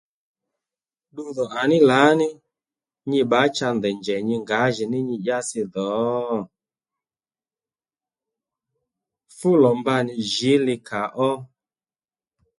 Ddu dhò à ní lǎní nyi bbǎ cha ndèy njèy nyi ngǎjìní nyi dyási dhò Fúlò mba nì jǐ likà ó